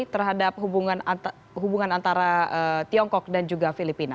terhadap hubungan antara tiongkok dan juga amerika serikat